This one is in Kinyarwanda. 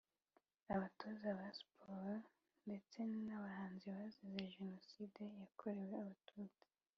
abatoza ba sports ndetse n abahanzi bazize Jenoside yakorewe Abatutsi